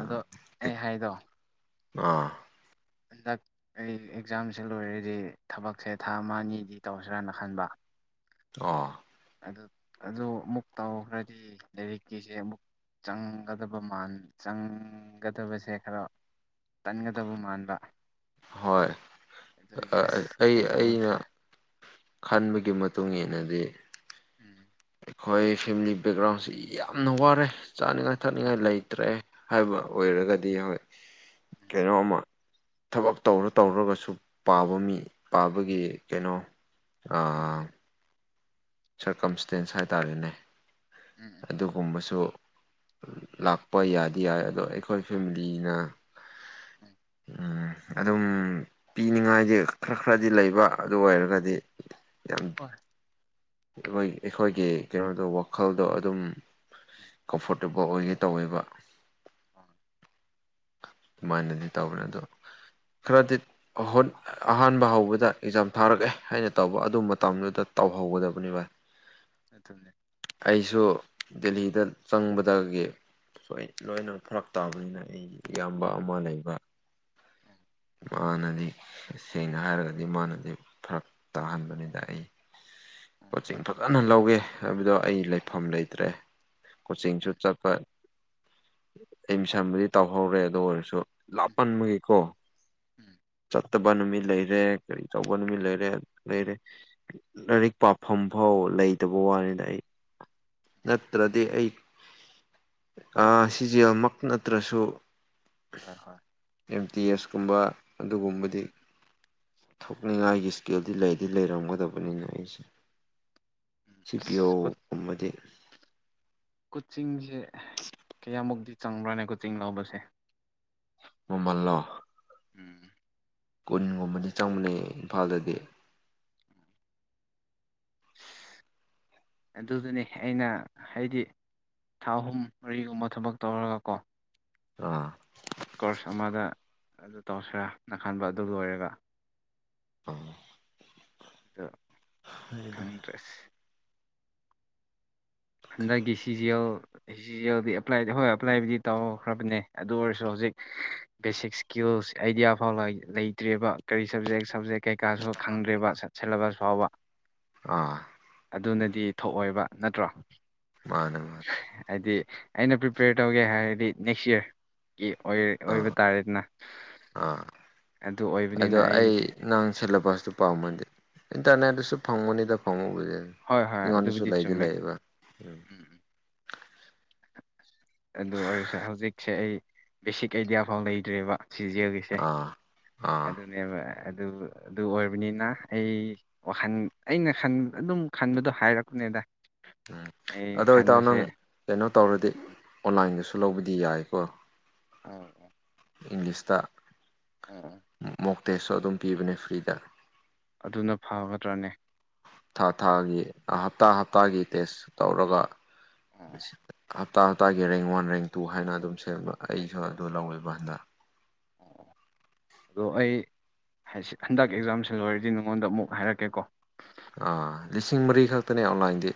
ꯑꯗꯣ ꯑꯩ ꯍꯥꯏꯗꯣ ꯑꯥ ꯍꯟꯗꯛ ꯑꯩ ꯑꯦꯛꯖꯥꯝꯁꯦ ꯂꯣꯏꯔꯗꯤ ꯊꯕꯛꯁꯦ ꯊꯥ ꯑꯃ ꯑꯅꯤꯗꯤ ꯇꯧꯁꯤ꯭ꯔꯥꯅ ꯈꯟꯕ ꯑꯣ ꯑꯗꯨ ꯑꯗꯨ ꯑꯃꯨꯛ ꯇꯧꯈ꯭ꯔꯗꯤ ꯂꯥꯏꯔꯤꯛꯀꯤꯁꯦ ꯑꯃꯨꯛ ꯆꯪꯒꯗꯕ ꯃꯥꯟ ꯆꯪꯒꯗꯕꯁꯦ ꯈꯔ ꯇꯟꯒꯗꯕ ꯃꯥꯟꯕ ꯍꯣꯏ ꯑꯗꯨꯒꯤ ꯑꯁ ꯑꯩ ꯑꯩꯅ ꯀꯩꯗꯧꯔꯁꯤꯔ ꯈꯟꯕꯒꯤ ꯃꯇꯨꯡ ꯏꯟꯅꯗꯤ ꯎꯝ ꯑꯩꯈꯣꯏ ꯐꯦꯃꯤꯂꯤ ꯕꯦꯛꯒ꯭ꯔꯥꯎꯟꯁꯤ ꯌꯥꯝꯅ ꯋꯥꯔꯦ ꯆꯥꯅꯤꯡꯉꯥꯏ ꯊꯛꯅꯤꯡꯉꯥꯏ ꯑꯗꯨꯅꯤ ꯂꯩꯇ꯭ꯔꯦ ꯍꯥꯏꯕ ꯑꯣꯏꯔꯒꯗꯤ ꯍꯣꯏ ꯎꯝ ꯀꯩꯅꯣꯝꯃ ꯊꯕꯛ ꯇꯧꯔ ꯇꯧꯔꯒꯁꯨ ꯄꯥꯕ ꯃꯤ ꯄꯥꯕꯒꯤ ꯀꯩꯅꯣ ꯎꯝ ꯑꯥ ꯎꯝ ꯁꯔꯀꯝꯁꯇꯦꯟꯁ ꯍꯥꯏꯇꯥꯔꯦꯅꯦ ꯎꯝ ꯎꯝ ꯑꯗꯨꯒꯨꯝꯕꯁꯨ ꯂꯥꯛꯄ ꯌꯥꯗꯤ ꯌꯥꯏ ꯑꯗꯣ ꯑꯩꯈꯣꯏ ꯐꯦꯃꯂꯤꯅ ꯎꯝ ꯎꯝ ꯑꯗꯨꯝ ꯄꯤꯅꯤꯡꯉꯥꯏꯗꯤ ꯈꯔ ꯈꯔꯗꯤ ꯂꯩꯕ ꯑꯗꯨ ꯑꯣꯏꯔꯒꯗꯤ ꯌꯥꯝ ꯍꯣꯏ ꯑꯩꯈꯣꯏꯒꯤ ꯀꯩꯅꯣꯗꯣ ꯋꯥꯈꯜꯗꯣ ꯑꯗꯨꯝ ꯎꯝ ꯀꯝꯐꯣꯔꯇꯦꯕꯜ ꯑꯣꯏꯒꯦ ꯇꯧꯋꯦꯕ [unintelligible] ꯃꯥꯏꯅꯗꯤ ꯇꯧꯔꯦ ꯑꯗꯨ ꯈꯔꯗꯤ ꯑꯍꯥꯟꯕ ꯍꯧꯕꯗ ꯑꯦꯛꯖꯥꯝ ꯊꯥꯔꯛꯑꯦ ꯍꯥꯏꯅ ꯇꯧꯕ ꯑꯗꯨ ꯃꯇꯝꯗꯨꯗ ꯇꯧ ꯇꯧꯍꯧ ꯒꯗꯕꯅꯦ ꯕꯥꯏ [unintelligible] ꯑꯩꯁꯨ ꯗꯦꯂꯤꯗ ꯆꯪꯕꯗꯒꯤ ꯁꯣꯏ ꯂꯣꯏꯅ ꯐꯔꯛ ꯇꯥꯕꯅꯤꯅ ꯑꯩ ꯏꯌꯥꯝꯕ ꯑꯃ ꯂꯩꯕ ꯎꯝ ꯃꯥꯥꯟꯅꯗꯤ ꯁꯦꯡꯅ ꯍꯥꯏꯔꯒꯗꯤ ꯃꯥꯅꯗꯤ ꯐꯔꯛ ꯇꯥꯍꯟꯕꯅꯤꯗ ꯑꯩ ꯎꯝ ꯄꯣꯠꯆꯤꯡ ꯐꯖꯅ ꯂꯧꯋꯦ ꯍꯥꯏꯕꯗꯣ ꯑꯩ ꯂꯩꯐꯝ ꯂꯩꯇ꯭ꯔꯦ ꯀꯣꯆꯤꯡꯁꯨ ꯎꯝ ꯆꯠꯄ ꯑꯦꯗꯃꯤꯁꯟꯕꯨꯗꯤ ꯇꯧꯍꯧꯔꯦ ꯑꯗꯨ ꯑꯣꯏꯔꯁꯨ ꯎꯝ ꯂꯥꯞꯃꯟꯕꯒꯤꯀꯣ ꯎꯝ ꯐꯠꯇꯕ ꯅꯨꯃꯤꯠ ꯂꯩꯔꯦ ꯀꯔꯤ ꯇꯧꯕ ꯅꯨꯃꯤꯠ ꯂꯩꯔꯦ ꯂꯩꯔꯦ ꯂꯥꯏꯔꯤꯛ ꯄꯥꯐꯝ ꯐꯥꯎ ꯂꯩꯇꯕ ꯋꯥꯅꯤꯗ ꯑꯩ ꯎꯝ ꯅꯠꯇ꯭ꯔꯗꯤ ꯑꯩ ꯁꯤꯖꯦꯜꯃꯛ ꯅꯠꯇ꯭ꯔꯁꯨ ꯍꯣꯏ ꯍꯣꯏ ꯑꯦꯝ ꯇꯤ ꯑꯦꯁ ꯀꯨꯝꯕ ꯑꯗꯨꯒꯨꯝꯕꯗꯤ ꯎꯝ ꯊꯣꯛꯅꯤꯡꯉꯥꯏꯒꯤ ꯏꯁꯀꯤꯜꯗꯤ ꯂꯩꯗꯤ ꯂꯩꯔꯝꯒꯗꯕꯅꯤꯅꯦ ꯑꯩꯁꯦ ꯎꯝ ꯁꯤ ꯄꯤꯌꯣ ꯑꯁ ꯒꯨꯝꯕꯗꯤ ꯀꯣꯆꯤꯡꯁꯦ ꯀꯌꯥꯃꯨꯛꯇꯤ ꯆꯪꯕ꯭ꯔꯥꯅꯦ ꯀꯣꯆꯤꯡ ꯂꯧꯕꯁꯦ ꯃꯃꯜꯂꯣ ꯎꯝ ꯀꯨꯟꯒꯨꯝꯕꯗꯤ ꯆꯪꯕꯅꯦ ꯏꯝꯐꯥꯜꯗꯗꯤ [inaudible] ꯑꯗꯨꯗꯨꯅꯤ ꯑꯩꯅ ꯍꯥꯏꯗꯤ ꯊꯥ ꯑꯍꯨꯝ ꯃꯔꯤꯒꯨꯝꯕ ꯊꯕꯛ ꯇꯧꯔꯒ ꯀꯣ ꯑꯥ ꯀꯣꯔꯁ ꯑꯃꯗ ꯑꯗꯨ ꯇꯧꯁꯦꯔꯥ ꯅꯥ ꯈꯟꯕ ꯑꯗꯨ ꯂꯣꯏꯔꯒ ꯎꯝ ꯑꯥ ꯈꯪꯗ꯭ꯔꯦ ꯑꯁ ꯍꯟꯗꯛꯀꯤ ꯁꯤꯖꯤ ꯑꯦꯜ ꯁꯤꯖꯤ ꯑꯦꯜꯗꯤ ꯍꯣꯏ ꯑꯦꯄ꯭ꯂꯥꯏꯕꯨꯗꯤ ꯇꯧꯈ꯭ꯔꯕꯅꯦ ꯑꯗꯨ ꯑꯣꯏꯔꯁꯨ ꯍꯧꯖꯤꯛ ꯕꯦꯁꯤꯛ ꯏꯁꯀꯤꯜꯁ ꯑꯩꯗꯤꯌꯥ ꯐꯥꯎ ꯂꯩꯇ꯭ꯔꯦꯕ ꯀꯔꯤ ꯁꯕꯖꯦꯛ ꯁꯞꯖꯦꯛ ꯀꯩꯀꯥꯁꯨ ꯈꯪꯗ꯭ꯔꯦꯕ ꯁꯦꯂꯦꯕꯁ ꯐꯥꯎꯕ ꯑꯥ ꯑꯗꯨꯅꯗꯤ ꯊꯣꯛꯑꯣꯏꯕ ꯅꯠꯇ꯭ꯔꯣ ꯃꯥꯅꯦ ꯃꯥꯅꯦ ꯍꯥꯏꯗꯤ ꯑꯩꯅ ꯄ꯭ꯔꯤꯄꯦꯌꯔ ꯇꯧꯒꯦ ꯍꯥꯏꯔꯗꯤ ꯅꯦꯛꯁ ꯌꯥꯔ ꯒꯤ ꯑꯣꯏ ꯑꯣꯏꯕ ꯑꯥ ꯇꯥꯔꯦꯗꯅ ꯑꯥ ꯑꯗꯨ ꯑꯣꯏꯕꯅꯤꯅ ꯑꯗꯣ ꯑꯩ ꯅꯪ ꯁꯦꯂꯦꯕꯁꯇꯣ ꯄꯥꯝꯃꯗꯤ ꯏꯟꯇꯔꯅꯦꯠꯇꯁꯨ ꯐꯪꯕꯅꯤꯗ ꯐꯪꯪꯕꯨꯗꯤ ꯑꯦ ꯍꯣꯏ ꯍꯣꯏ ꯑꯩꯉꯣꯟꯗꯁꯨꯨ ꯑꯗꯨꯕꯨꯗꯤ ꯂꯩꯥꯗꯤ ꯆꯨꯝꯃꯦ ꯂꯩꯌꯦꯕ ꯎꯝ ꯑꯗꯨ ꯑꯣꯏꯔꯁꯨ ꯍꯧꯖꯤꯛꯁꯦ ꯑꯩ ꯕꯦꯁꯤꯛ ꯑꯥꯏꯗꯤꯌꯥ ꯐꯥꯎ ꯂꯩꯇ꯭ꯔꯦꯕ ꯁꯤꯖꯤꯑꯣꯒꯤꯁꯦ ꯑꯥ ꯑꯥ ꯑꯗꯨꯅꯦꯕ ꯑꯗꯨ ꯑꯗꯨ ꯑꯣꯏꯔꯕꯅꯤꯅ ꯑꯩ ꯋꯥꯈꯜ ꯑꯩꯅ ꯈꯟ ꯑꯗꯨꯝ ꯈꯟꯕꯗꯣ ꯍꯥꯏꯔꯛꯄꯅꯦ ꯀꯗꯥꯢ ꯎꯝ ꯑꯗꯣ ꯏꯇꯥꯎ ꯅꯪ ꯀꯩꯅꯣ ꯇꯧꯔꯗꯤ ꯑꯣꯟꯂꯥꯏꯟꯗꯁꯨ ꯂꯧꯕꯗꯤ ꯌꯥꯏꯀꯣ ꯑꯣ ꯏꯪꯂꯤꯁꯇ ꯑꯣ ꯃꯣꯛ ꯇꯦꯁꯁꯨ ꯑꯗꯨꯝ ꯄꯤꯕꯅꯦ ꯐ꯭ꯔꯤꯗ ꯑꯗꯨꯅ ꯐꯒꯗ꯭ꯔꯅꯦ ꯊꯥ ꯊꯥꯒꯤ ꯍꯞꯇꯥ ꯍꯞꯇꯥꯒꯤ ꯇꯦꯁ ꯇꯧꯔꯒ ꯑꯣ ꯍꯞꯇꯥ ꯍꯞꯇꯥꯒꯤ ꯔꯦꯡ ꯋꯥꯟ ꯔꯦꯡ ꯇꯨ ꯍꯥꯏꯅ ꯑꯗꯨꯝ ꯁꯦꯝꯕ ꯑꯩꯁꯨ ꯑꯗꯨ ꯂꯧꯋꯦꯕ ꯍꯟꯗꯛ [unintelligible] ꯑꯗꯣ ꯑꯩ ꯍꯩꯁ ꯍꯟꯗꯛ ꯑꯦꯛꯖꯥꯝꯁꯦ ꯂꯣꯏꯔꯗꯤ ꯅꯉꯣꯟꯗ ꯑꯃꯨꯛ ꯍꯥꯏꯔꯛꯀꯦꯀꯣ ꯑꯥ ꯂꯤꯁꯤꯡ ꯃꯔꯤ ꯈꯛꯇꯅꯦ ꯑꯣꯟꯂꯥꯏꯟꯗꯤ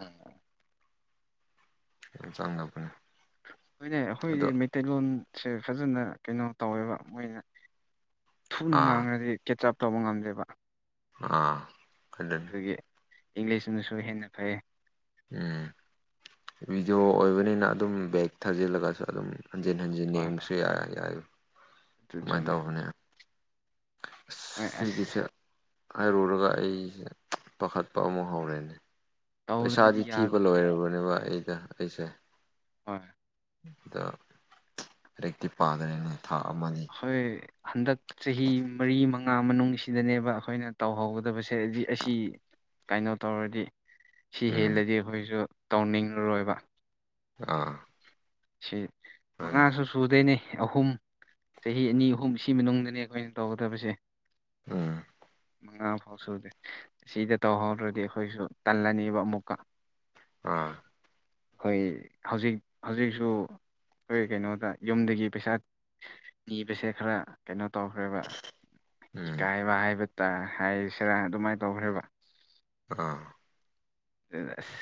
ꯑꯣ [unintelligible] ꯍꯣꯏꯅꯦ ꯑꯈꯣꯏꯗꯤ ꯑꯗꯣ ꯃꯩꯇꯩꯂꯣꯟ ꯁꯦ ꯐꯖꯟꯅ ꯀꯩꯅꯣ ꯇꯧꯋꯦꯕ ꯃꯣꯏꯅ ꯊꯨꯅ ꯑꯥ ꯉꯥꯡꯉꯗꯤ ꯀꯦꯠꯆꯞ ꯇꯧꯕ ꯉꯝꯗꯦꯕ ꯑꯥ ꯑꯗꯨꯅꯤ ꯑꯗꯨꯒꯤ ꯏꯪꯂꯤꯁꯅꯁꯨ ꯍꯦꯟꯅ ꯐꯩꯌꯦ ꯎꯝ ꯕꯤꯗ꯭ꯌꯣ ꯑꯣꯏꯕꯅꯤꯅ ꯑꯗꯨꯝ ꯕꯦꯛ ꯊꯥꯖꯤꯜꯂꯒꯁꯨ ꯑꯗꯨꯝ ꯍꯟꯖꯤꯟ ꯍꯟꯖꯤꯟ ꯍꯣꯏ ꯍꯣꯏ ꯌꯦꯡꯕꯁꯨ ꯌꯥꯏ ꯌꯥꯏ ꯑꯗꯨ ꯀꯃꯥꯏ ꯆꯨꯝꯃꯦ ꯇꯧꯕꯅꯦ ꯍꯣꯏ ꯑꯁ ꯁꯤꯒꯤꯁꯦ ꯍꯥꯏꯔꯨꯔꯒ ꯑꯩꯁꯦ ꯄꯥꯈꯠꯄ ꯑꯃꯨꯛ ꯍꯧꯔꯦꯅꯦ ꯄꯩꯁꯥꯗꯤ ꯇꯧꯗ꯭ꯔꯗꯤ ꯊꯤꯕ ꯌꯥꯗꯕꯅꯦ ꯂꯣꯏꯔꯕꯅꯦꯕ ꯑꯩꯗ ꯑꯩꯁꯦ ꯍꯣꯏ ꯗꯣ ꯂꯥꯢꯔꯤꯛꯇꯤ ꯄꯥꯗꯔꯦꯅꯦ ꯊꯥ ꯑꯃꯅꯤ ꯑꯩꯈꯣꯏ ꯍꯟꯗꯛ ꯆꯍꯤ ꯃꯔꯤ ꯃ ꯉꯥꯥ ꯃꯅꯨꯡꯁꯤꯗꯅꯦꯕ ꯑꯈꯣꯏꯅ ꯇꯧꯍꯧꯒꯗꯕꯁꯦ ꯑꯁꯤ ꯀꯩꯅꯣ ꯇꯧꯔꯗꯤ ꯁꯤ ꯎꯝ ꯍꯦꯜꯂꯗꯤ ꯑꯈꯣꯏꯁꯨ ꯇꯧꯅꯤꯡꯑꯥꯔꯣꯏꯕ ꯑꯥ ꯁꯤ ꯍꯣꯏ ꯃꯉꯥꯁꯨ ꯁꯨꯗꯣꯏꯅꯦ ꯑꯍꯨꯝ ꯆꯍꯤ ꯑꯅꯤ ꯑꯍꯨꯝ ꯁꯤ ꯃꯅꯨꯡꯗꯅꯦ ꯑꯈꯣꯏꯅ ꯇꯧꯒꯗꯕꯁꯦ ꯎꯝ ꯃꯉꯥ ꯐꯥꯎ ꯁꯨꯗꯦ ꯑꯁꯤꯗ ꯇꯧꯍꯧꯗꯔꯗꯤ ꯑꯩꯈꯣꯏꯁꯨ ꯇꯜꯂꯅꯤꯕ ꯑꯃꯨꯛꯀ ꯑꯥ ꯍꯣꯏ ꯍꯧꯖꯤꯛ ꯍꯧꯖꯤꯛꯁ ꯗꯨ ꯈꯣꯏ ꯀꯩꯅꯣꯗ ꯌꯨꯝꯗꯒꯤ ꯄꯩꯁꯥ ꯅꯤꯕꯁꯦ ꯈꯔ ꯀꯩꯅꯣ ꯇꯧꯈ꯭ꯔꯦꯕ ꯎꯝ ꯏꯀꯥꯏꯕ ꯍꯥꯏꯕ ꯇꯥ ꯍꯥꯏꯁꯤꯔꯥ ꯑꯗꯨꯃꯥꯏ ꯇꯧꯈ꯭ꯔꯦꯕ ꯑꯥ ꯗꯅ ꯑꯁ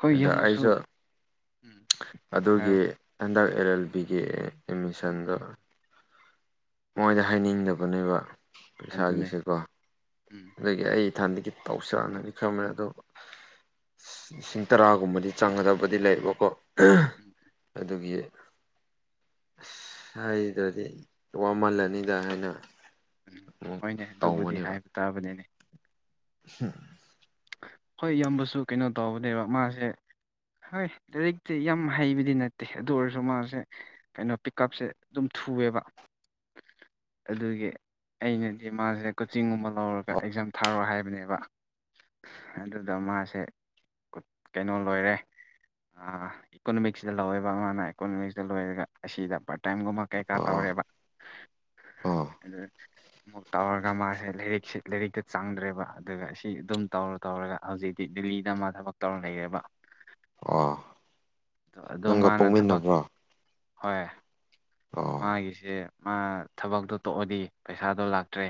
ꯑꯩꯈꯣꯏ ꯑꯗ ꯏꯌꯥꯝꯕꯁꯨ ꯑꯩꯁꯨ ꯎꯝ ꯑꯗꯨꯒꯤ ꯍꯥꯏꯔꯣ ꯍꯟꯗꯛ ꯑꯦꯜ ꯂꯦꯜ ꯕꯤꯒꯤ ꯎꯝ ꯑꯦꯃꯤꯁꯟꯗꯣ ꯎꯝ ꯃꯣꯏꯗ ꯍꯥꯏꯅꯤꯡꯗꯕꯅꯦꯕ ꯑꯗꯨꯅꯦ ꯄꯩꯁꯥꯒꯤꯁꯦꯀꯣ ꯎꯝ ꯑꯗꯨꯒꯤ ꯑꯩ ꯏꯊꯟꯗꯒꯤ ꯇꯧꯁꯤꯔꯥꯅꯗꯤ ꯈꯟꯕꯅꯦ ꯑꯗꯣ ꯂꯤꯁꯤꯡ ꯇꯔꯥꯒꯨꯝꯕꯗꯤ ꯆꯪꯒꯗꯕꯗꯤ ꯂꯩꯕꯀꯣ ꯎꯝ ꯑꯗꯨꯒꯤ ꯑꯁ ꯍꯥꯏꯗ꯭ꯔꯗꯤ ꯋꯥꯃꯜꯂꯅꯤꯗꯥ ꯍꯥꯏꯅ ꯑꯃꯨꯛ ꯍꯣꯏꯅꯦ ꯑꯗꯨꯕꯨꯗꯤ ꯍꯥꯏꯕ ꯇꯥꯕꯅꯤꯅꯦ ꯍꯨꯝ ꯈꯣꯏ ꯏꯌꯥꯝꯕꯁꯨ ꯀꯩꯅꯣ ꯇꯧꯕꯅꯦꯕ ꯃꯥꯁꯦ ꯍꯥꯏ ꯂꯥꯏꯔꯤꯛꯇꯤ ꯌꯥꯝ ꯍꯩꯕꯗꯤ ꯅꯠꯇꯦ ꯑꯗꯨ ꯑꯣꯏꯔꯖꯨ ꯃꯥꯁꯦ ꯀꯩꯅꯣ ꯄꯤꯛ ꯀꯞꯁꯦ ꯑꯗꯨꯝ ꯊꯨꯋꯦꯕꯥ [inaudible] ꯑꯗꯨꯒꯤ ꯑꯩꯅꯗꯤ ꯃꯥꯖꯦ ꯀꯣꯆꯤꯡꯒꯨꯝꯕ ꯂꯧꯔꯒ ꯑꯦꯛꯖꯥꯝ ꯊꯥꯔꯣ ꯍꯥꯏꯕꯅꯦꯕꯥ [unintelligible] ꯑꯗꯨꯗ ꯃꯥꯁꯦ ꯀꯨꯠ ꯀꯩꯅꯣ ꯂꯣꯏꯔꯦ ꯑꯥ ꯏꯀꯣꯅꯣꯃꯤꯛꯁꯁꯤꯗ ꯂꯧꯋꯦꯕꯥ ꯃꯥꯅ ꯏꯀꯣꯅꯣꯃꯤꯛꯁꯇ ꯂꯣꯏꯔꯒ ꯑꯁꯤꯗ ꯄꯥꯔꯠ ꯇꯥꯏꯝꯒꯨꯝꯕ ꯀꯩꯀꯥ ꯑꯥ ꯇꯧꯔꯦꯕꯥ ꯑꯥ [unintelligible] ꯃꯨꯛ ꯇꯧꯔꯒ ꯃꯥꯁꯦ ꯂꯥꯏꯔꯤꯛꯁꯤ ꯂꯥꯏꯔꯤꯛꯀ ꯆꯪꯗ꯭ꯔꯦꯕ ꯑꯗꯨꯅ ꯁꯤ ꯑꯗꯨꯝ ꯇꯧꯔ ꯇꯧꯔꯒ ꯍꯧꯖꯤꯛꯇꯤ ꯗꯤꯜꯂꯤꯗ ꯃꯥ ꯊꯕꯛ ꯇꯧꯔ ꯂꯩꯔꯦꯕꯥ ꯑꯣ ꯅꯪꯒ ꯃꯥꯅ ꯊꯕꯛ ꯄꯣꯛꯃꯤꯟꯅꯕ꯭ꯔꯣ ꯍꯣꯏ ꯑꯣ ꯃꯥꯒꯤꯁꯦ ꯃꯥ ꯊꯕꯛꯇꯣ ꯇꯣꯛꯑꯗꯤ ꯄꯩꯁꯥꯗꯣ ꯂꯥꯛꯇ꯭ꯔꯦ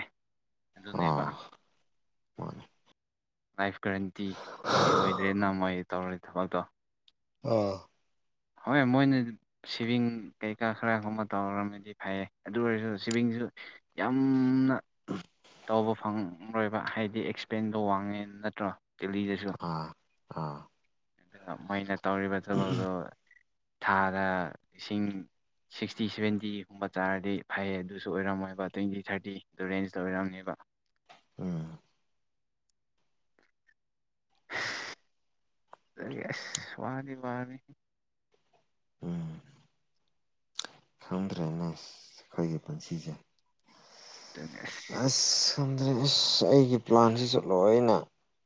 ꯑꯗꯨꯅꯦꯕꯥ ꯑꯥ ꯃꯥꯅꯦ ꯂꯥꯏꯐ ꯒꯔꯦꯟꯇꯤ ꯗꯤ ꯑꯣꯏꯗꯦꯅ ꯃꯣꯏ ꯇꯧꯔꯤ ꯊꯕꯛꯇꯣ ꯑꯥ ꯍꯣꯏ ꯃꯣꯏꯅ ꯁꯤꯚꯤꯡ ꯀꯩꯀꯥ ꯈꯔꯒꯨꯝꯕ ꯇꯧꯔꯝꯃꯗꯤ ꯐꯩꯌꯦ ꯑꯗꯨ ꯑꯣꯏꯔꯁꯨ ꯁꯤꯚꯤꯡ [unintelligible] ꯌꯥꯝꯅ [unintelligible] ꯇꯧꯕ ꯐꯪꯔꯣꯏꯕ ꯍꯥꯏꯗꯤ ꯑꯦꯁꯄꯦꯟꯗꯣ ꯋꯥꯡꯉꯦ ꯅꯠꯇ꯭ꯔ ꯗꯦꯜꯂꯤꯗꯁꯨ ꯑꯥ ꯑꯥ [unintelligible] ꯃꯣꯏꯅ ꯇꯧꯔꯤꯕ ꯊꯕꯛꯇꯣ ꯊꯥꯗ ꯏꯁꯤꯡ ꯁꯤꯛꯁꯇꯤ ꯁꯚꯦꯟꯇꯤꯒꯨꯝꯕ ꯆꯥꯔꯗꯤ ꯐꯩꯌꯦ ꯑꯗꯨꯁꯨ ꯑꯣꯏꯔꯝꯃꯣꯏꯕ ꯇ꯭ꯨꯋꯦꯇꯤ ꯊꯥꯔꯇꯤ ꯔꯦꯟꯖꯇ ꯑꯣꯏꯔꯝꯅꯦꯕ [unintelligible] ꯎꯝ [unintelligible] ꯑꯁ ꯀꯩꯒꯤ ꯑꯁ ꯋꯥꯒꯤ ꯋꯥꯅꯤ ꯎꯝ ꯈꯪꯗ꯭ꯔꯦꯅꯦ ꯑꯈꯣꯏꯒꯤ ꯄꯨꯟꯁꯤꯁꯦ ꯗꯨꯅꯦ ꯑꯁ ꯈꯪꯗ꯭ꯔꯦ ꯑꯁ ꯑꯩꯒꯤ ꯄ꯭ꯂꯥꯟꯖꯤꯁꯨ ꯂꯣꯏꯅ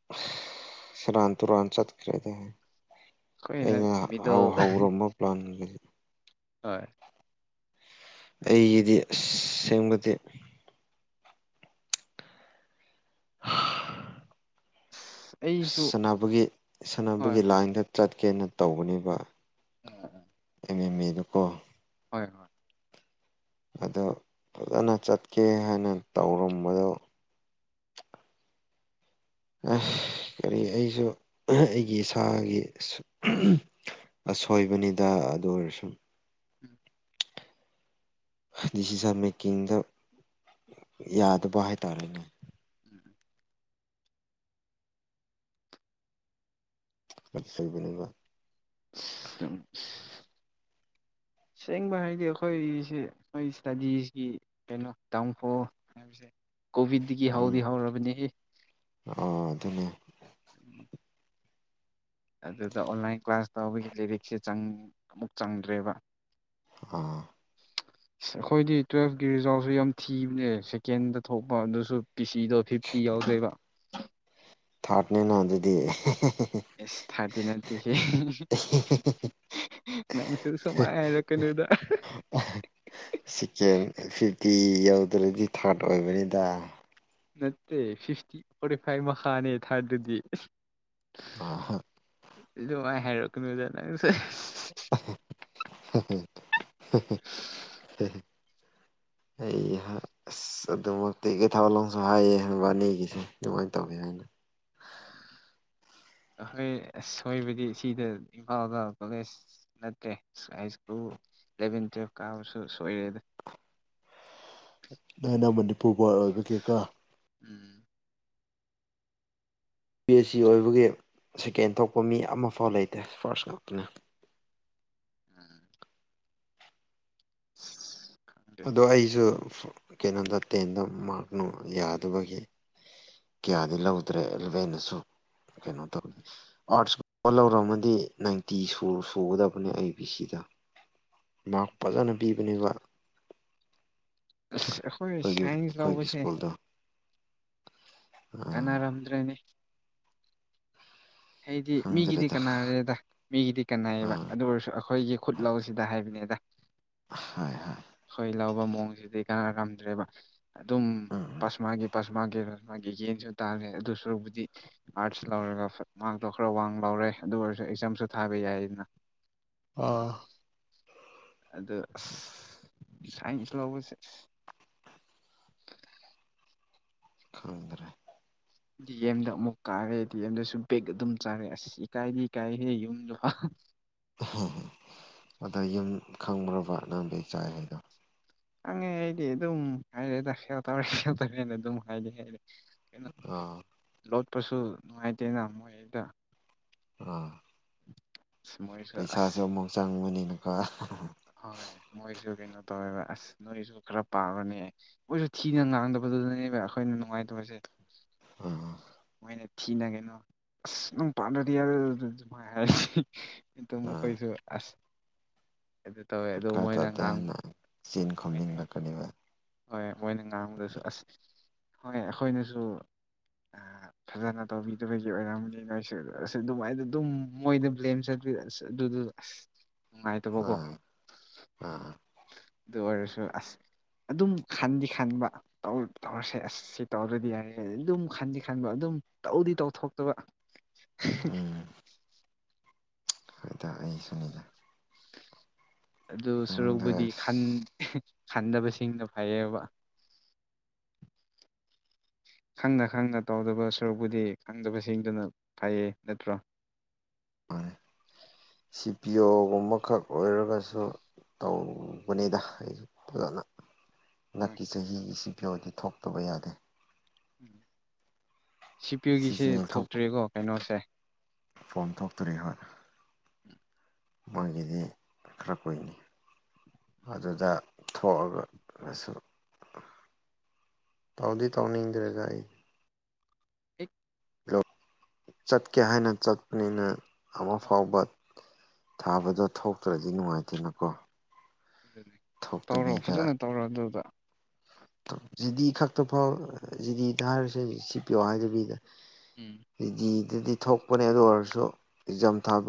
[unintelligible] ꯁꯦꯔꯥꯟ ꯇꯨꯔꯥꯟ ꯆꯠꯈ꯭ꯔꯅꯦ ꯑꯩꯈꯣꯏꯅ ꯑꯩꯅ ꯍꯧ ꯃꯤꯗꯜ ꯍꯧꯔꯝꯕ ꯄ꯭ꯂꯥꯟꯒꯩ ꯑꯥꯏ ꯑꯩꯒꯤꯗꯤ ꯑꯁ ꯁꯦꯡꯕꯗꯤ ꯑꯁ ꯑꯩꯁꯨ ꯁꯥꯟꯅꯕꯒꯤ ꯍꯣꯏ ꯁꯥꯟꯅꯕꯒꯤ ꯂꯥꯏꯟꯗ ꯆꯠꯀꯦꯅ ꯇꯧꯕꯅꯦꯕꯥ [unintelligible] [unintelligible] ꯀꯣ ꯍꯣꯏ ꯍꯣꯏ ꯑꯗꯣ ꯐꯖꯅ ꯆꯠꯀꯦ ꯍꯥꯏꯅ ꯇꯧꯔꯝꯕꯗꯣ ꯑꯁ ꯀꯔꯤ ꯑꯩꯁꯨ ꯑꯩꯒꯤ ꯏꯁꯥꯒꯤ [unintelligible] ꯁꯣꯏꯕꯅꯤꯗ ꯑꯗꯨ ꯑꯣꯏꯔꯁꯨꯨ ꯎꯝ ꯗꯤꯁꯤꯖꯟ ꯃꯦꯀꯤꯡꯗ ꯌꯥꯗꯕ ꯍꯥꯏꯇꯥꯔꯦꯅꯦ [unintelligible] ꯑ ꯁ ꯁꯣꯏꯕꯅꯦꯕ [unintelligible] [inaudible] ꯁꯦꯡꯕ ꯍꯥꯏꯔꯗꯤ ꯑꯩꯈꯣꯏꯁꯦ ꯑꯩ ꯏꯁꯇꯥꯗꯤꯁꯤ ꯀꯩꯅꯣ ꯇꯥꯡꯈꯨꯜ ꯍꯥꯏꯕꯁꯦ ꯀꯣꯚꯤꯠꯇꯤꯒꯤ ꯎꯝ ꯍꯧꯗꯤ ꯍꯧꯔꯕꯅꯦꯍꯦ ꯑꯣ ꯑꯗꯨꯅꯦ ꯑꯗꯨꯗ ꯑꯣꯟꯂꯥꯏꯟ ꯀ꯭ꯂꯥꯁ ꯇꯧꯕꯒꯤ ꯂꯤꯏꯔꯤꯛꯁꯦ ꯆꯪ ꯑꯃꯨꯛ ꯆꯪꯗ꯭ꯔꯦꯕ ꯑꯥ ꯑꯩꯈꯣꯏꯗꯤ ꯇꯨꯋꯦꯜꯞꯀꯤ ꯔꯤꯖꯥꯜꯠꯁꯨ ꯌꯥꯝ ꯊꯤꯕꯅꯦ ꯁꯦꯀꯦꯟꯗ ꯊꯣꯛꯄ ꯑꯗꯨꯁꯨ ꯄꯤ ꯁꯤꯗꯣ ꯐꯤꯐꯇꯤ ꯌꯥꯎꯗ꯭ꯔꯦꯕ ꯊꯥꯔꯠꯅꯦꯅ ꯑꯗꯨꯗꯤ ꯑꯦꯁ ꯊꯔꯇꯇꯤ ꯅꯠꯇꯦꯍꯦ ꯅꯪꯁꯨ ꯁꯃꯥꯏ ꯍꯥꯏꯔꯛꯀꯅꯨ ꯑꯗꯨꯗ ꯑꯍ ꯁꯦꯀꯦꯟ ꯐꯤꯐꯇꯤ ꯌꯧꯗ꯭ꯔꯗꯤ ꯊꯥꯔꯠ ꯑꯣꯏꯕꯅꯤꯗ ꯅꯠꯇꯦ ꯐꯐꯇꯤ ꯐꯣꯔꯇꯤ ꯐꯥꯏ ꯃꯈꯥꯅꯦ ꯊꯥꯔꯇꯨꯗꯤ ꯑꯗꯨꯃꯥꯏꯅ ꯍꯥꯏꯔꯛꯀꯅꯨꯗ ꯅꯪꯁꯨ [unintelligible] ꯑꯩꯍ ꯑꯁ ꯑꯗꯨꯃꯛꯇꯤ ꯀꯩ ꯊꯥꯋꯥꯂꯣꯡꯁꯨ ꯍꯥꯏꯌꯦꯕ ꯑꯅꯤꯒꯤꯁꯦ ꯑꯗꯨꯃꯥꯏꯅ ꯇꯧꯋꯦ ꯍꯥꯏꯅ [unintelligible] ꯑꯩꯈꯣꯏ ꯑꯁꯣꯏꯕꯗꯤ ꯁꯤꯗ ꯏꯝꯐꯥꯜꯒ ꯀꯣꯂꯦꯖ ꯅꯠꯇ꯭ꯔꯦ ꯍꯥꯏꯁ꯭ꯀꯨꯜ ꯢꯂꯕꯦꯟ ꯇꯨꯌꯦꯞ ꯀꯥꯕꯁꯨ ꯁꯣꯏꯔꯦꯗ ꯅꯩꯅ ꯃꯅꯤꯄꯨꯔ ꯕꯣꯔꯠ ꯑꯣꯏꯕꯒꯤꯀꯣ ꯎꯝ ꯕꯤ ꯑꯦꯆ ꯁꯤ ꯑꯣꯏꯕꯒꯤ ꯁꯦꯀꯦꯟ ꯊꯣꯛꯄ ꯃꯤ ꯑꯃꯐꯥꯎ ꯂꯩꯇꯦ ꯐꯥꯔꯁ ꯉꯥꯛꯇꯅꯤ ꯎꯝ [unintelligible] ꯑꯗꯣ ꯑꯩꯁꯨ ꯀꯩꯅꯣꯗ ꯇꯦꯟꯗꯣ ꯃꯥꯔꯛ ꯌꯥꯗꯕꯒꯤ ꯀꯌꯥꯗꯤ ꯂꯧꯗ꯭ꯔꯦ ꯑꯦꯜꯚꯦꯟꯅꯁꯨ ꯀꯩꯅꯣ ꯇꯧ ꯑꯥꯔꯠꯁꯀꯨꯝꯕ ꯂꯧꯔꯝꯃꯗꯤ ꯅꯥꯏꯟꯇꯤ ꯁꯨ ꯁꯨꯒꯗꯕꯅꯦ ꯑꯩ ꯄꯤ ꯁꯤꯗ ꯃꯥꯔꯛ ꯐꯖꯅ ꯄꯤꯕꯅꯦꯕ ꯑꯩꯈꯣꯏ ꯑꯩꯈꯣꯏꯒꯤ ꯁꯥꯏꯟꯁ ꯑꯩꯈꯣꯏꯒꯤ ꯂꯧꯕꯁꯦ ꯁ꯭ꯀꯨꯜꯗꯣ ꯎꯝ ꯀꯟꯅꯥꯔꯝꯗ꯭ꯔꯦꯅꯦ ꯍꯥꯏꯗꯤ ꯃꯤꯒꯤꯗꯤ ꯈꯪꯗ꯭ꯔꯦꯗ ꯀꯅꯥꯔꯦꯗ ꯃꯤꯒꯤꯗꯤ ꯀꯅꯥꯌꯦꯕ ꯎꯝ ꯑꯗꯨ ꯑꯣꯏꯔꯁꯨ ꯑꯩꯈꯣꯏꯒꯤ ꯈꯨꯠ ꯂꯧꯁꯤꯗ ꯍꯥꯏꯕꯅꯦꯗ ꯍꯣꯏ ꯍꯣꯏ ꯍꯣꯏ ꯂꯧꯕꯨ ꯑꯣꯡꯁꯤꯗꯤ ꯀꯅꯥ ꯉꯝꯗ꯭ꯔꯦꯕ ꯑꯗꯨꯝ ꯎꯝ ꯄꯁꯃꯥꯒꯤ ꯄꯁ ꯃꯥꯒꯤ ꯃꯥꯒꯤ ꯌꯦꯟꯁꯨ ꯇꯥꯔꯦ ꯑꯗꯨꯁꯔꯨꯛꯕꯨꯗꯤ ꯑꯥꯔꯠꯁ ꯂꯧꯔꯒ ꯃꯥꯔꯛꯇꯣ ꯈꯔ ꯋꯥꯡ ꯂꯧꯔꯦ ꯑꯗꯨ ꯑꯣꯏꯔꯁꯨ ꯑꯦꯛꯖꯥꯝꯁꯨ ꯊꯥꯕ ꯌꯥꯏꯗꯅ ꯑꯥ ꯑꯗꯣ ꯁꯥꯏꯟꯁ ꯂꯧꯕꯁꯦ [unintelligible] ꯈꯪꯗꯔꯦ ꯗꯤ ꯑꯦꯝꯗ ꯑꯃꯨꯛ ꯀꯥꯔꯦ ꯗꯤ ꯑꯦꯝꯗꯁꯨ ꯕꯦꯛ ꯑꯗꯨꯝ ꯆꯥꯔꯦ ꯑꯁ ꯏꯀꯥꯏꯗꯤ ꯏꯀꯥꯏꯍꯦ ꯌꯨꯝꯗꯣ ꯑꯗ ꯌꯨꯝ ꯈꯪꯈ꯭ꯔꯕ ꯅꯪ ꯕꯦꯛ ꯆꯥꯏ ꯍꯥꯏꯕꯗꯣ ꯍꯪꯉꯦ ꯍꯥꯏꯗꯤ ꯑꯗꯨꯝ ꯍꯥꯏꯔꯦꯗ ꯁꯦꯌꯔ ꯇꯧꯔꯦ ꯑꯗꯨꯝ ꯍꯥꯏꯗꯤ ꯍꯥꯏꯌꯦ ꯑꯥ ꯑꯗꯨꯁꯨ ꯅꯨꯡꯉꯥꯏꯇꯦꯅ ꯃꯣꯏꯗ ꯑꯥ ꯃꯣꯏꯁꯨ ꯑꯁ ꯄꯩꯁꯥꯁꯨ ꯑꯃꯨꯛ ꯆꯪꯕꯅꯤꯅꯀꯣ ꯍꯣꯏ ꯃꯣꯏꯁꯨ ꯀꯩꯅꯣ ꯇꯧꯋꯦꯕ ꯑꯁ ꯅꯣꯏꯁꯨ ꯈꯔ ꯄꯥꯎꯋꯣꯅꯦ ꯃꯣꯏꯁꯨ ꯊꯤꯅ ꯉꯥꯡꯗꯕꯗꯨꯗꯅꯦꯕ ꯑꯩꯈꯣꯏ ꯅꯨꯡꯉꯥꯏꯗꯕꯁꯦ ꯑꯥ ꯃꯤꯅ ꯊꯤꯅꯀꯦꯅꯣ ꯑꯁ ꯅꯪ ꯄꯥꯟꯗꯗꯤꯃꯥꯏ [unintelligible] ꯑꯗꯨꯝ ꯎꯝ ꯑꯩꯈꯣꯏꯁꯨ ꯑꯁ ꯑꯗꯨ ꯇꯧꯋꯦ ꯑꯗꯨ ꯃꯣꯏꯅ [unintelligible] ꯉꯥꯡꯕ ꯍꯥꯏꯅ ꯆꯤꯟ ꯃꯣꯏꯅ ꯈꯨꯝꯅꯤꯡꯂꯛꯀꯅꯤꯕ ꯍꯣꯏ ꯃꯣꯏꯅ ꯉꯥꯡꯕꯗꯁꯨ ꯑꯁ ꯍꯣꯏ ꯑꯩꯈꯣꯏꯅꯁꯨ [unintelligible] ꯐꯖꯅ ꯇꯧꯕꯤꯗꯕꯒꯤ ꯑꯣꯏꯔꯝꯅꯤꯗꯁꯨ ꯑꯁ ꯑꯗꯨꯃꯥꯏꯅ ꯑꯗꯨꯝ ꯃꯣꯏꯗ ꯕ꯭ꯂꯦꯝ ꯆꯠꯄꯤꯔ ꯑꯁ ꯑꯗꯨꯗꯨ ꯑꯁ ꯅꯨꯡꯉꯥꯏꯇꯕꯀꯣ ꯑꯥ ꯑꯥ ꯗꯨ ꯑꯣꯏꯔꯁꯨ ꯑꯁ ꯑꯗꯨꯝ ꯈꯟꯗꯤ ꯈꯟꯕ ꯇꯧꯔ ꯇꯧꯔꯁꯦ ꯑꯁ ꯁꯤ ꯇꯧꯔꯗꯤ ꯌꯥꯔꯦ ꯑꯗꯨꯝ ꯈꯟꯗꯤ ꯈꯟꯕ ꯑꯗꯨꯝ ꯇꯧꯗꯤ ꯇꯧꯊꯣꯛꯇꯕ ꯎꯝ ꯍꯣꯏꯗ ꯑꯩ ꯁꯨꯅꯤꯗ ꯑꯗꯨ ꯁꯨꯔꯣꯛꯄꯨꯗꯤ ꯈꯟ ꯑꯁ ꯈꯟꯗꯕꯁꯤꯡꯅ ꯐꯩꯌꯦꯕ [inaudible] ꯈꯪꯅ ꯈꯪꯅ ꯇꯧꯗꯕ ꯁꯔꯨꯛꯄꯨꯗꯤ ꯈꯪꯗꯕꯁꯤꯡꯗꯨꯅ ꯐꯩꯌꯦ ꯅꯠꯇ꯭ꯔꯣ [inaudible] ꯁꯤ ꯄꯤ ꯑꯣꯒꯨꯝꯕꯈꯛ ꯑꯣꯏꯔꯒꯁꯨ ꯇꯧꯕꯅꯦꯗ ꯑꯩꯁꯨ ꯐꯖꯅ ꯍꯣꯏ ꯅꯛꯀꯤ ꯆꯍꯤ ꯁꯤ ꯄꯤ ꯌꯣꯗꯤ ꯊꯣꯛꯇꯕ ꯌꯥꯗꯦ ꯎꯝ ꯁꯤ ꯄꯤ ꯌꯨꯒꯤꯁꯦ ꯁꯤꯖꯤꯅꯦꯜ ꯊꯣꯛ ꯊꯣꯛꯇ꯭ꯔꯦꯀꯣ ꯀꯩꯅꯣꯁꯦ ꯐꯣꯝ ꯊꯣꯛꯇ꯭ꯔꯤ ꯍꯣꯏ ꯃꯣꯏꯒꯤꯗꯤ ꯈꯔ ꯀꯨꯏꯅꯤ ꯑꯗꯨꯗ ꯊꯣꯛꯑꯒꯒꯁꯨ ꯇꯧꯗꯤ ꯇꯧꯅꯤꯡꯗ꯭ꯔꯦꯗ ꯑꯩ ꯑꯦꯛ ꯂꯣꯛ ꯆꯠꯀꯦ ꯍꯥꯏꯅ ꯆꯠꯄꯅꯤꯅ ꯑꯃ ꯍꯣꯏ ꯐꯥꯎꯕ ꯊꯥꯕꯗꯣ ꯊꯣꯛꯇ꯭ꯔꯗꯤ ꯅꯨꯡꯉꯥꯏꯇꯦꯅꯀꯣ ꯑꯗꯨꯅꯦ ꯇꯧꯔꯣ ꯊꯣꯛꯇꯕꯤꯗ ꯐꯖꯅ ꯇꯧꯔꯣ ꯑꯗꯨꯗ ꯖꯤꯗꯤ ꯈꯛꯇ ꯐꯥꯎ ꯖꯤꯗꯤꯗ ꯍꯥꯏꯔꯁꯦ ꯁꯤ ꯄꯤ ꯌꯣ ꯍꯥꯏꯗꯕꯤꯗ ꯎꯝ ꯗꯤ ꯗꯤ ꯗꯗꯤ ꯊꯣꯛꯄꯅꯦ ꯑꯗꯨ ꯑꯣꯏꯔꯁꯨ ꯑꯦꯛꯖꯥꯝ ꯊꯥꯕ